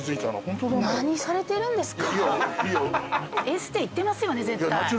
エステ行ってますよね絶対。